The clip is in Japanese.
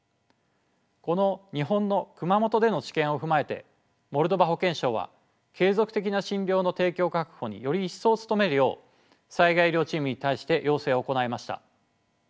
この日本の熊本での知見を踏まえてモルドバ保健省は継続的な診療の提供確保により一層努めるよう災害医療チームに対して要請を行いました。